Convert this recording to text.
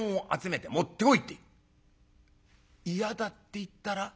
「嫌だって言ったら？」。